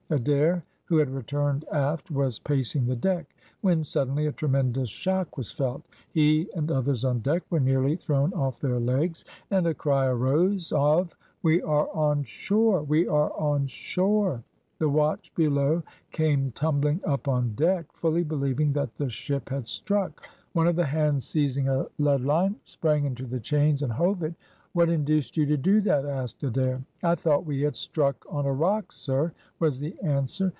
Adair, who had returned aft, was pacing the deck, when suddenly a tremendous shock was felt. He and others on deck were nearly thrown off their legs, and a cry arose of "We are on shore! we are on shore!" The watch below came tumbling up on deck, fully believing that the ship had struck. One of the hands seizing a leadline, sprang into the chains and hove it. "What induced you to do that?" asked Adair. "I thought we had struck on a rock, sir," was the answer.